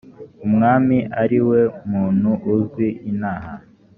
umwami ari we muntu uzwi inaha